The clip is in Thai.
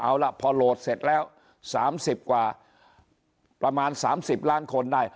เอาละพอโหลดเสร็จแล้วสามสิบกว่าประมาณสามสิบล้านคนได้